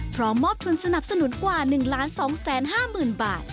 พร้อมมอบทุนสนับสนุนกว่า๑๒๕๐๐๐บาท